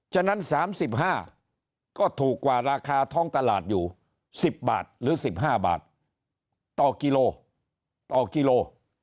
ฉะนั้น๓๕ก็ถูกกว่าราคาท้องตลาดอยู่๑๐บาทหรือ๑๕บาทต่อกิโลต่อกิโล